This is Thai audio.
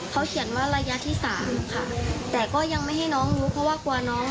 เขาเขียนว่าระยะที่สามค่ะแต่ก็ยังไม่ให้น้องรู้เพราะว่ากลัวน้อง